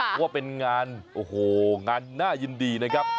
เพราะว่าเป็นงานโอ้โหงานน่ายินดีนะครับ